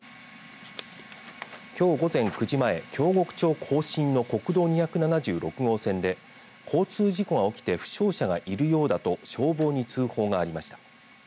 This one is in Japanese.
きょう午前９時前京極町更進の国道２７６号線で交通事故が起きて負傷者がいるようだと消防に通報がありました。